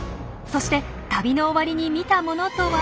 そして旅の終わりに見たものとは？